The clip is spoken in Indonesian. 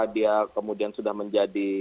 dia kemudian sudah menjadi